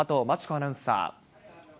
アナウンサー。